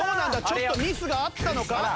ちょっとミスがあったのか？